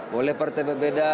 boleh partai berbeda